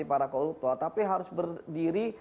para koruptor tapi harus berdiri